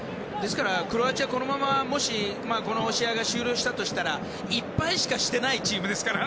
クロアチアはこのままもし試合が終了したら１敗しかしてないチームですからね。